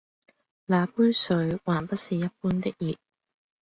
那杯水還不是一般的熱